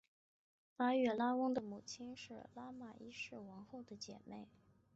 巴育拉翁的母亲是拉玛一世王后的姐妹。